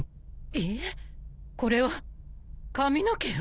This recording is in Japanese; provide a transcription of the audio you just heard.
いえこれは髪の毛よ。